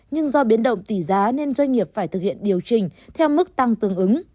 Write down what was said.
nhưng do biến động tỷ giá nên doanh nghiệp phải thực hiện điều chỉnh theo mức tăng tương ứng